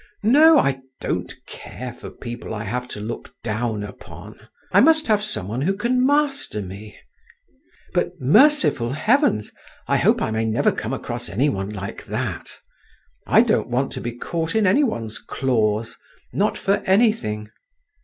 "No; I can't care for people I have to look down upon. I must have some one who can master me…. But, merciful heavens, I hope I may never come across any one like that! I don't want to be caught in any one's claws, not for anything."